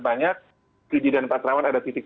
banyak kejadian patrawan ada titik